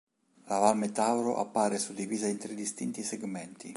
La Val Metauro appare suddivisa in tre distinti segmenti.